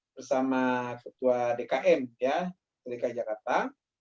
bersama ketua dkm dki jakarta